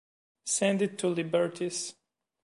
Send it to Liberty’s.